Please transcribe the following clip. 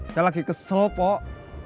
saya lagi kesel pok